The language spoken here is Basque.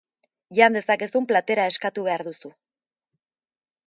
Jan dezakezun platera eskatu behar duzu.